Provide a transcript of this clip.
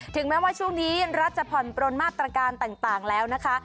แม้ว่าช่วงนี้รัฐจะผ่อนปลนมาตรการต่างแล้วนะคะ